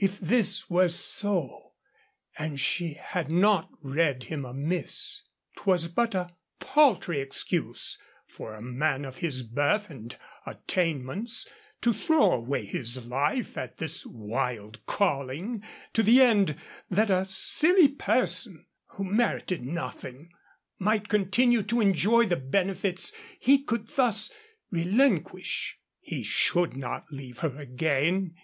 If this were so, and she had not read him amiss, 'twas but a paltry excuse for a man of his birth and attainments to throw away his life at this wild calling, to the end that a silly person (who merited nothing) might continue to enjoy the benefits he could thus relinquish. He should not leave her again.